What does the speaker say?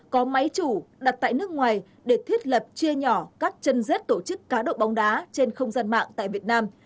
có máy chủ đặt tại nước ngoài để thiết lập chia nhỏ các chân rết tổ chức cá độ bóng đá trên không gian mạng tại việt nam